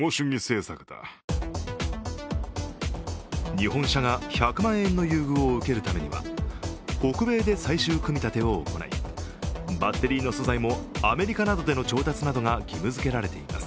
日本車が１００万円の優遇を受けるためには北米で最終組み立てを行いバッテリーの素材もアメリカなどでの調達などが義務付けられています。